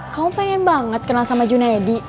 kamu pengen banget kenal sama junaidi